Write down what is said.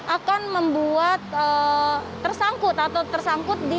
akan membuat tersangkut atau tersangkut di